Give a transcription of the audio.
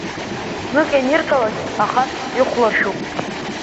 Знык ианирҭалак, ахаҳә ихәларшәуп.